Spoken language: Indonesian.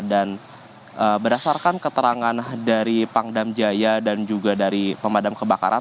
dan berdasarkan keterangan dari pangdam jaya dan juga dari pemadam kebakaran